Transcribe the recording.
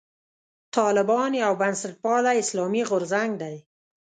طالبان یو بنسټپالی اسلامي غورځنګ دی.